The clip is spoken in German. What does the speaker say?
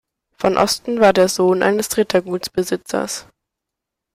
Von Osten war der Sohn eines Rittergutsbesitzers.